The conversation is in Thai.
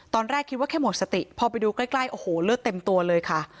ตอนแรกคิดว่าแค่หมดสติพอไปดูใกล้โอ้โหเลือดเต็มตัวเลยค่ะ